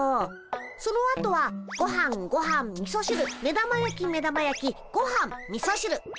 そのあとはごはんごはんみそしる目玉焼き目玉焼きごはんみそしる。